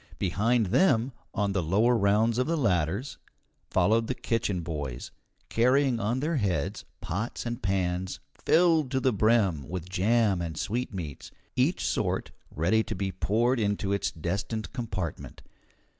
Behind them, on the lower rounds of the ladders, followed the kitchen boys, carrying on their heads pots and pans filled to the brim with jam and sweetmeats, each sort ready to be poured into its destined compartment.